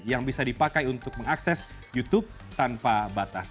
yang bisa dipakai untuk mengakses youtube tanpa batas